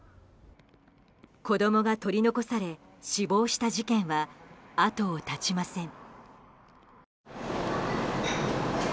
子供が取り残され死亡した事件は後を絶ちません。